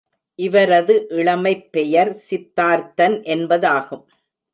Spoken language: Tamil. இவரது இளமைப் பெயர் சித்தார்த்தன் என்பதாகும்.